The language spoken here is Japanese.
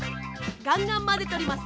ガンガンまぜております。